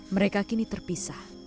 mereka kini terpisah